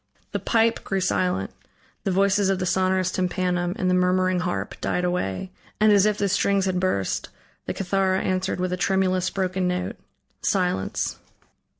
The pipe grew silent; the voices of the sonorous tympanum and the murmuring harp died away; and as if the strings had burst, the cithara answered with a tremulous, broken note. Silence.